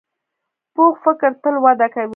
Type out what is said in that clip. پوخ فکر تل وده کوي